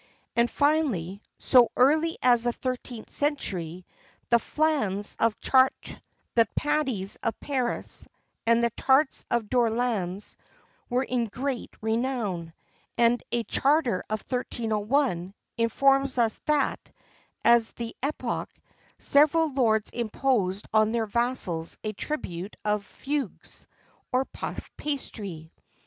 And, finally, so early as the 13th century, the flans of Chartres, the patties of Paris, and the tarts of Dourlans, were in great renown; and a charter of 1301 informs us that, at that epoch, several lords imposed on their vassals a tribute of fugués, or puff pastry.